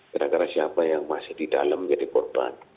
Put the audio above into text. tidak ada siapa yang masih di dalam jadi korban